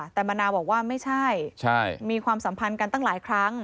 แต่มะนาวบอกว่าไม่ใช่มีความสัมพันธ์กันตั้งหลายครั้ง